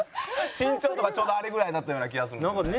身長とかちょうどあれぐらいだったような気がするんですよね。